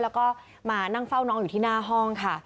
แล้วก็มานั่งเฝ้าน้องอยู่ที่หน้าห้องค่ะ